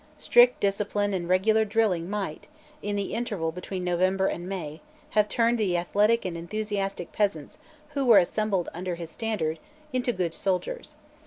Strict discipline and regular drilling might, in the interval between November and May, have turned the athletic and enthusiastic peasants who were assembled under his standard into good soldiers.